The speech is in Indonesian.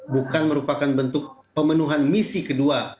bukan merupakan bentuk pemenuhan misi kedua